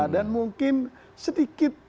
dan mungkin sedikit